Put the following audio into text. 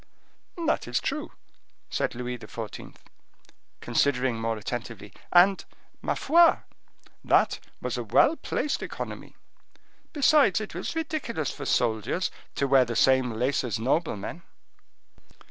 "That is true," said Louis XIV., considering more attentively, "and, ma foi! that was a well placed economy; besides, it was ridiculous for soldiers to wear the same lace as noblemen."